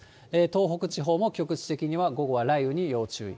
東北地方も局地的には午後は雷雨に要注意。